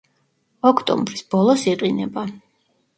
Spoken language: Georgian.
ოქტომბრის ბოლოს იყინება.